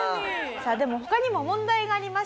さあでも他にも問題がありました。